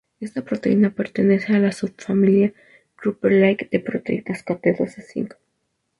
Esta proteína pertenece a la subfamilia Kruppel-like de proteínas con dedos de zinc.